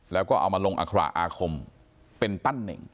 แล้วก็เอามาลงอัคระอาคมเป็นปั้นเน่ง